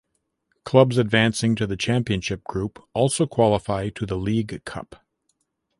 Clubs advancing to the Championship Group also qualify to the league cup.